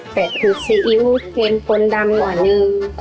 แปะทุกซีอิ๊วเต็มก้นดำหน่อยหนึ่ง